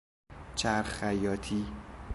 چرخ خیاطی